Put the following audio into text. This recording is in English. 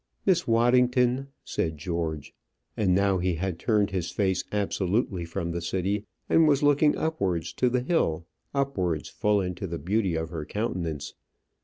"Miss Waddington," said George; and now he had turned his face absolutely from the city, and was looking upwards to the hill; upwards, full into the beauty of her countenance.